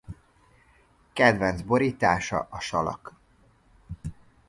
Kedvenc borítása a salak.